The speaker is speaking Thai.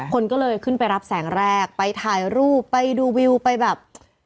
คนก็เลยขึ้นไปรับแสงแรกไปถ่ายรูปไปดูวิวไปแบบ